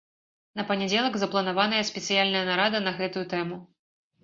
На панядзелак запланаваная спецыяльная нарада на гэтую тэму.